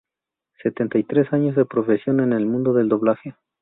Setenta y tres años de profesión en el mundo del doblaje.